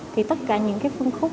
thì tất cả những phương khúc